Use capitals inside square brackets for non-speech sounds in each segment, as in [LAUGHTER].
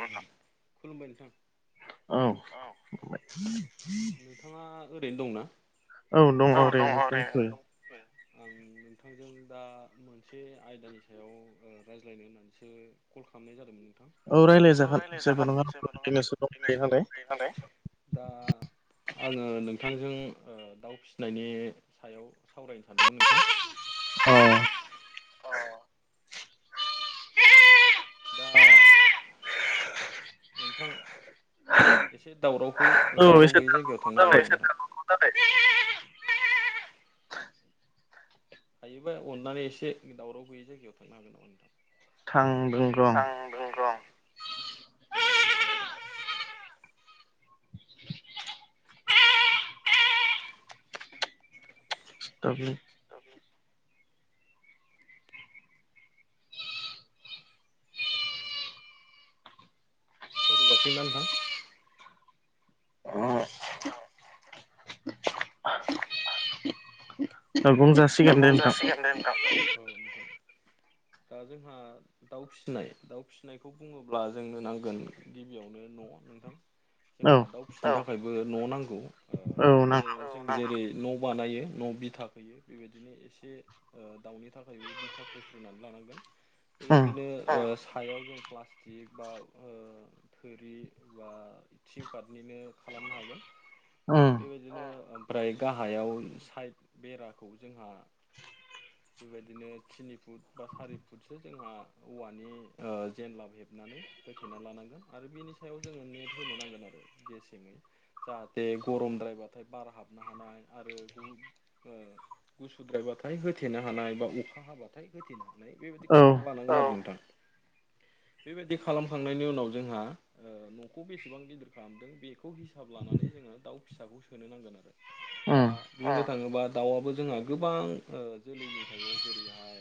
खुलुमबाय नोंथां। औ। नोंथाङा ओरैनो दंना औ दङ ओरैनो दं। नोंथांजों दा मोनसे आयदानि सायाव अ रायज्लायनो होननानैसो कल खालामनाय जादोंमोन नोंथां। औ रायज्लायजागोन जेबो नङा ओरैनोसो दंखायो नालाय। माबे दा आङो नोंथांजों ओ दाउ फिसि नायनि सायाव सावरायनो सानदोंमोन नोंथां। अ। अ। दा [UNINTELLIGIBLE] [INAUDIBLE] नोंथां एसे दावरावबो दावराव गैयै जायगायाव थांनो नाथाय हायोबा अननानै एसे दावराव गैयै जायगायाव थांनो हागोन नामा नोंथां? थांदों र' [UNINTELLIGIBLE] [UNINTELLIGIBLE] दोनथ' जासिगोन दां नोंथां? [INAUDIBLE] बुंजासिगोन दे नोंथां। दे नोंथां। औ नोंथां ओ जोंहा दाउ फिसिनाय दाउ फिसिनायखौ बुङोब्ला जोंनो नांगोन गिबियावनो न' नोंथां। जोंहा दाउ फिसिनो थाखायबो न' नांगौ, बे औ जेरै न' बानायो न' बिथा होयो बेबायदिनो एसे ओ दाउनि थाखायबो बिथा खोग्रोनानै लानांगोन। बेबायदिनो सायाव जों प्लासटिक बा ओ थोरि बा थिं पाथनिनो खालामनो हागोन। हम बेबादिनो ओमफ्राय गाहायाव साइड बेराखौ जोंहा बेबादिनो थिनि फुट बा सारि फुट जोंहा औवानि ओ जेनलाब हेबनानै होथेना लानांगोन आरो बिनि सायाव जोङो नेट होनो नांगोन आरो गेसेङै जाहाथे गरमद्रायबाथाय बार हाबनो हानाय आरो ओ गुसुद्रायबाथाय होथेनो हानाय बा अखा हाबाथाय होथेनो हानाय बेबायदि खालामना [UNINTELLIGIBLE] बेबायदि खालामखांनायनि उनाव जोंहा ओ न'खौ बेसेबां गिदिर खालाम नो बेखौ हिसाब लानानै जोङो दाउ फिसाखौ सोनो नांगोन आरो। दा बुंनो थाङोबा दाउआबो जोंहा गोबां ओ जोलैनि थायो जेरैहाय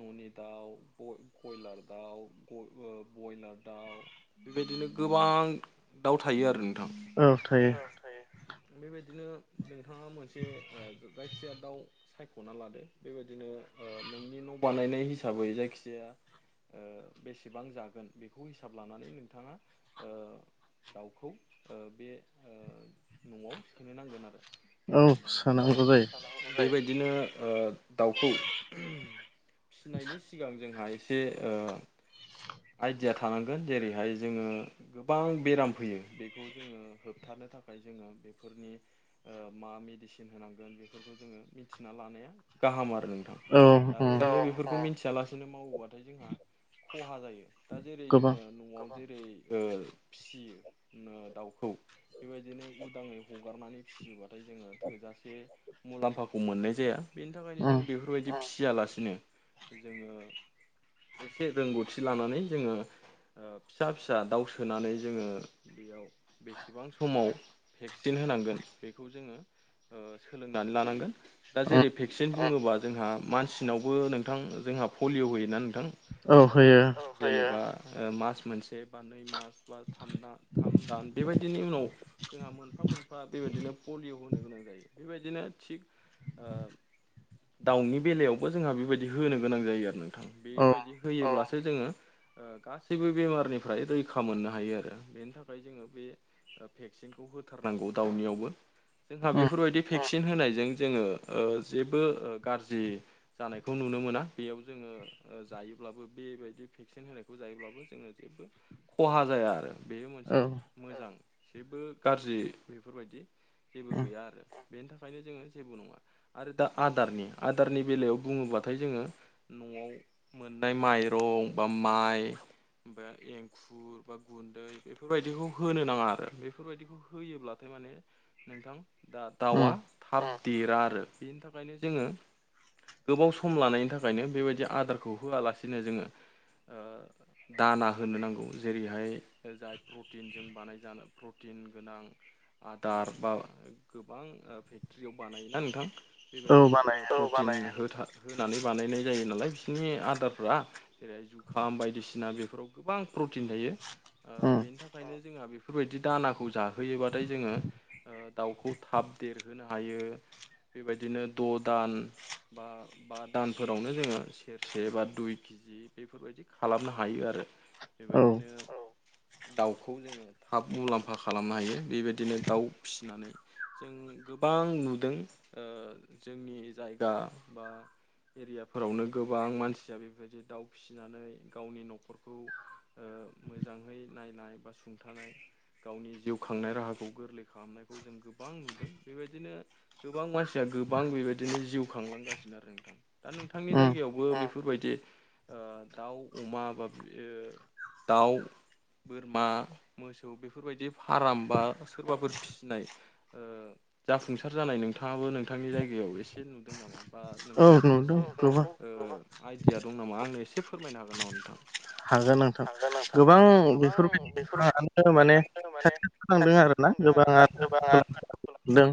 न'नि दाउ, बय बय लार दाउ, बय ओ बय लार दाउ बेबायदिनो गोबां दाउ थायो आरो नोंथां। औ थायो थायो। बेबायदिनो नोंथाङा मोनसे ओ जायखिजाया दाउ सायख'ना लादो। बेबायदिनो ओ नोंनि न' बानायनाय हिसाबै जायखिजाया ओ बेसेबां जागोन बेखौ हिसाब लानानै नोंथाङा ओ दाउखौ ओ बे ओ न'आव सोनो नांगोन आरो। बेबायदिनो ओ दाउखौ फिनायनि सिगां जोंहा एसे ओ आइडिया थानांगोन जेरैहाय जोङो गोबां बेराम फैयो बेखौ जोङो ओ होबथानो थाखाय जोङो बेफोरनि ओ मा मा मेडिसिन होनांगोन बेफोरखौ जोङो मिथिना लानाया गाहाम आरो नोंथां। दा ओरैनो बेफोरखौ मिथियालासिनो मावोबाथाय जोंहा खहा जायो। दा जेरै जोङो न'आव जेरै ओ फिसियो ओ दाउखौ बेबायदिनो उदाङै हगारनानै फिसियोबाथाय जों थोजासे मुलाम्फाखौ मोननाय जाया बेनि थाखायनो जों बेफोर बायदि फिसियालासिनो जोङो एसे रोंगौथि लानानै जोङो ओ फिसा फिसा दाउ सोनानै जोङो बेयाव बेसेबां समाव भेक्सिन होनांगोन बेखौ जोङो ओ सोलोंनानै लानांगोन। दा जेरै भेक्सिन बुङोबा जोंहा मानसिनावबो नोंथां जोंहा पलिय' होयोना नोंथां? ओ जेनेबा मास मोनसे बा नै मास बा थाम दा थाम दान बेबायदिनि उनाव जोंहा मोनफा मोनफा बेबायदिनो पलिअ' होनो गोनां जायो, बेबायदिनो थिग ओ दाउनि बेलायावबो जोंहा बेबायदि होनो गोनां जायो आरो नोंथां बेबायदि होयोब्लासो जोङो ओ गासिबो बेमारनिफ्राय रैखा मोननो आरो बेनि थाखाय जोङो बे ओ भेक्सिनखौ होथारनांगौ दाउनियावबो जोंहा बेफोरबायदि भेक्सिन होनायजों जोङो ओ जेबो गाज्रि जानायखौ नुनो मोना, बेयाव जोङो ओ जायोब्लाबो बेबायदि भेक्सिन होनायखौ जायोब्लाबो जोंनो जेबो खहा जाया आरो बेयो मोनसे मोजां जेबो गाज्रि बेफोरबायदि जेबो गैया आरो। बेनि थाखायनो जोङो जेबो नङा आरो दा आदारनि आदारनि बेलायाव जोङो न'आव मोननाय माइरं बा माइ बा एंखुर बा गुन्दै बेफोरबायदिखौ होनो नाङा आरो बेफोरबायदिखौ होयोब्लाथाय माने नोंथां दा दाउआ थाब देरा आरो। बेनि थाखायनो जोङो गोबाव सम लानायनि थाखायनो बेबायदि आदारखौ होआलासिनो जोङो ओ दाना होनो नांगौ जेरैहाय जाय प्रटिनजों बानाय जानाय प्रटिन गोनां आदार बा गोबां फेक्टरियाव बानायोना नोंथां बेबायदि ओ औ बानायना होथा होनानै बानायनाय जायो नालाय बिसिनि आदारफ्रा जेरैहाय जु खाम बायदिसिना बेफोराव गोबां प्रटिन थायो ओ बेनि थाखायनो जोंहा बेफो फोरबायदि दानाखौ जाहोयोबाथाय जोङो ओ दाउखौ थाब देरहोनो हायो बेबायदिनो द' दान बा बा दानफोरावनो जोङो सेरसे बा दुइ कि जि बेफोरबायदि खालामनो हायो आरो बेबायदिनो औ दाउखौ जोङो थाब मुलाम्फा खालामनो हायो बेबायदिनो दाउ फिनानै जों गोबां नुदों ओ जोंनि जायगा बा एरियाफोरावनो गोबां मानसिया बेफोरबायदि दाउ फिनानै गावनि न'खरखौ ओ मोजाङै नायनाय बा सुंथानाय गावनि जिउ खांनाय राहाखौ गोरलै खालामनायखौ जों गोबां नुदों। बेबायदिनो गोबां मानसिया गोबां बेबायदिनो जिउ खांलांगासिनो आरो नोंथां। दा नोंथांनि जायगायावबो ओ बेफोरबायदि ओ दाउ अमा बा बे ओ दाउ बोरमा मो मोसौ बेफोरबायदि फाराम बा सोरबाफोर फिनाय ओ ओ जाफुंसार जानाय नोंथाङाबो नोंथांनि जायगायाव एसे नुदों नामा? बा नोंथाङाबो एसे ओ आइडिया दं नामा आंनो एसे फोरमायनो हागोन नामा नोंथां? हागोन नोंथां गोबां बेफोरबायदि गोबाङानो माने खांदों आरो ना गोबाङानो [INAUDIBLE] दों।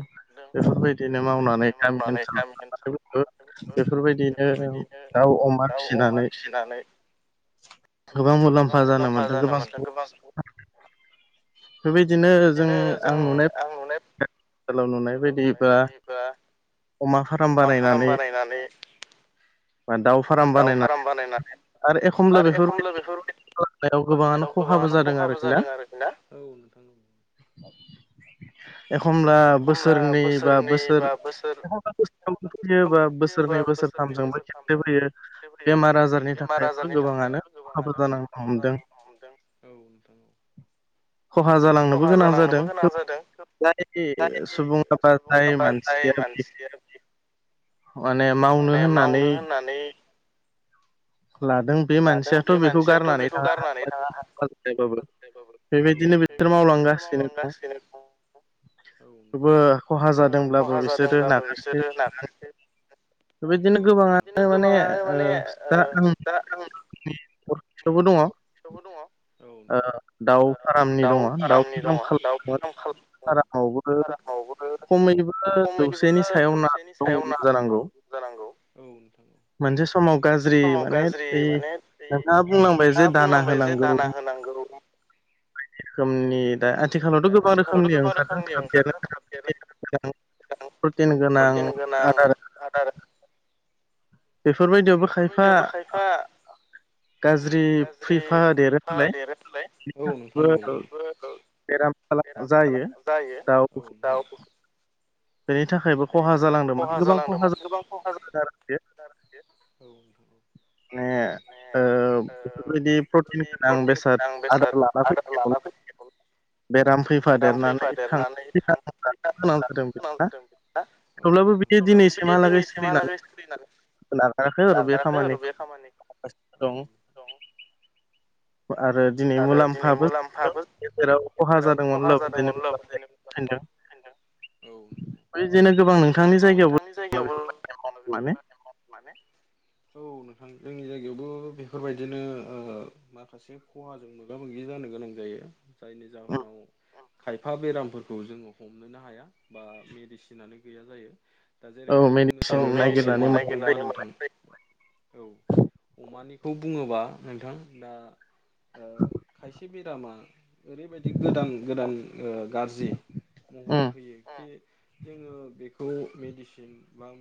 बेफोरबायदिनो मावनानै गामि ओनसोलाव [UNINTELLIGIBLE] बेफोरबायदिनो दाउ अमा फिनानै नानै गोबां मुलाम्फा जानो मोन्दों गोबां बेबायदिनो जों आं नुनाय आथिखालाव नुनाय बायदिबा अमा फाराम बानायनानै दाउ फाराम बानायनानै आरो एखमब्ला बेफोरबायदि [UNINTELLIGIBLE] नायाव गोबाङानो खहाबो जादों आरोखि ना औ नों एखमब्ला बोसोरनै बा बोसोर [UNINTELLIGIBLE] फियोबा बोसो सोरनै बोसोरथामजोंबो खेब खेब होयो बेमार आजारनि थाखायबो गोबाङानो खहाबो जालांनो हमदों औ नोंथां औ। ख'हा जानांनोबो गोनां जादों जानेकि सुबुङा बा जाय मानसिया दि माने माने मावनो होननानै लादों बे मानसियाथ' बेखौ गारनानै थाङा [UNINTELLIGIBLE] बेबायदिनो बे सोर मावलांगासिनो [UNINTELLIGIBLE] बो ख'हा जादोंब्लाबो बिसोरो नागारखै [UNINTELLIGIBLE] बेबायदिनो गोबाङानो माने ओ दा आंनि [UNINTELLIGIBLE] दङ। ओ दाउ फारामनि दङ दाउ फाराम खालाम फारामावबो खमैबो जौसेनि सायाव ना दं जानांगौ। जानांगौ। मोनसे समाव मोनसे समाव गाज्रि माने बै नोंथाङा बुंलांबाय जे दाना होनांगौ [INAUDIBLE] बायदि रोखोमनि दा आथिखालावथ' गोबां रोखोमनि ओंखारो थाबदेरो प्रटिन गोनां आदार बेफोरबायदियावबो खायफा गाज्रि फैफा देरोनालाय औ नोंथां औ बेरामफ्रा जायो दाउ बेनि थाखायबो बेनि थाखायबो खहा जालांदों माने गोबां खहा आरोखि। माने ओ बेफोरबायदि प्रटिन गोनां बेसाद आदार लाना फैनाय बेराम फैफादेरनानै थैनो गोनां जादों बिदि। थेवब्लाबो बिदि दिनैसिमहालागै सोलिनानै नागाराखै आरो बे खामानिखौ। खामानि दं आरो दिनै मुलाम्फाबो जादों। गेजेराव खहा जादोंमोनब्लाबो दिनै [UNINTELLIGIBLE] बै जेनो गोबां नोंथांनि जायगायावबो बेफोरबायदि मावनानै माने बेफोरबादि मावनानै माने औ नोंथां जोंनि जायगायावबो बेफोरबायदिनो ओ माखासे खहाजों मोगा मोगि जानो गोनां जायो जायनि जाहोनाव खायफा बेरामफोरखौ जोङो हमनोनो हाया बा मेडिसिनानो गैया जायो दा जेरैहाय बुंनो थाङो मेडिसिनखौ नागिरनानै औ अमानिखौ बुङोबा नोंथां दा ओ खायसे बेरामा ओरैबायदि गोदान गोदान ओ गाज्रि महरै फैयो एसे जोङो बेखौ मेडिसिन गोबां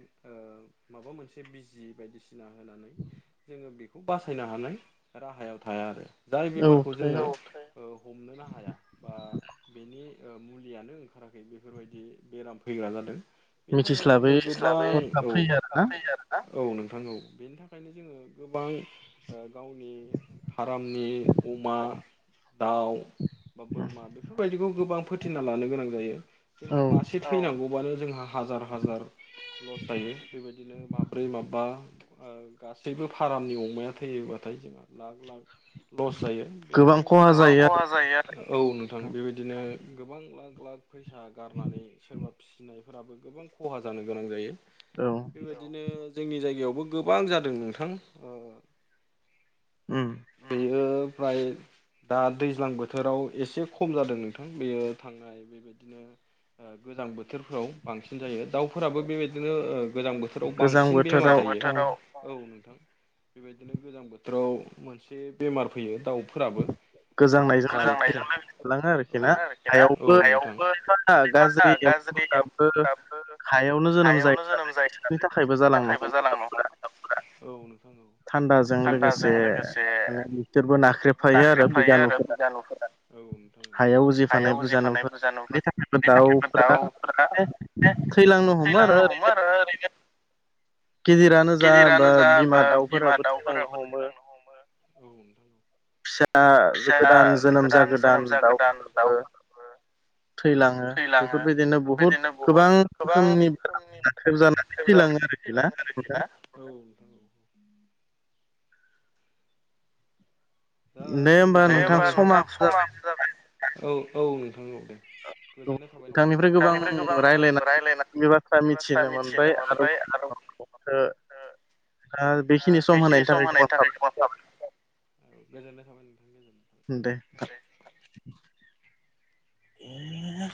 माबा मोनसे बिजि बायदिसिना थुना होनानै जोङो बेखौ बासायनो हानाय राहायाव थाया आरो। जाय बेमारखौ जोङो हमनोनो हाया बा बेनि मुलियानो ओंखाराखै बेफोरबायदि बेराम फैग्रा जादों। बेनि थाखाय जोङो मिथिस्लाबै हरखाब फैयो आरो। औ नोंथां औ बेनि थाखायनो जोङो गोबां ओ गावनि फाराम नि अमा दाउ बा बोरमा बेफोरबायदिखौ गोबां फोथैना लानो गोनां जायो जोंहा मासे थैनांगौबानो जोंहा हाजार हाजार लसो थायो बेबायदिनो माब्रै माबा गासैबो फारामनि अमाया थैयोबाथाय जोंहा लाख लाख लस जायो बेखौ गोबां खहा जायो औ नोंथां बेबायदिनो गोबां लाख लाख फैसा गारनानै सोरबा फिसिनाय फोराबो गोबां खहा जानो गोनां जायो बेबायदिनो जोंनि जायगायावबो गोबां जादों नोंथां ओ उम बेयो फ्राय दा दैज्लां बोथोराव एसे खम जादों नोंथां बेयो थांनाय बेबायदिनो गोजां बोथोरफोराव बांसिन जायो दाउफोराबो बेबायदिनो ओ गोजां बोथोराव बांसिन बेमार जायो औ नोंथां बेबायदिनो गोजां बोथोराव मोनसे बेमार फैयो दाउफोराबो। [UNINTELLIGIBLE] औ औ नोंथां दाबो हायावनो जोनोम जायो नालाय बिसोरनि थाखायबो जालांनो हमबाय। औ नोंथां औ। थान्दाजों लोगोसे बिथोरबो नाख्रेबफायो आरो बिजानुफोरा। बिजानुफोरा हायाव उजिफानाय बुजानुफोरनि थाखायबो दाउफोरा माने थैलांनो हमो आरो ओरैनो गिदिरानो जा बा बिमा दाउफोराबो थैलांनो हमो। फिसा दा गोदान जोनोम जागोदान दाउफोराबो थैलाङो बेफोरबायदिनो बुहुद गोबां रोखोमनि नाख्रेब जानानै थैलाङो आरोखि ना नोंथां? दा बुंनो थाङोबा औ औ नोंथां दे नोंथांनिफ्राइ गोबां रायलायनानै बे बाथ्रा मिथिनो मोनबाय आरो [UNINTELLIGIBLE] दा बेखिनि सम होनायनि थाखाय गोबां साबायखर औ गोजोननाय थाबाय [UNINTELLIGIBLE] ओम दे नोंथां।